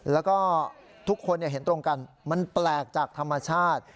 แล้วก็ทุกคนเห็นตรงกันมันแปลกจากธรรมชาติ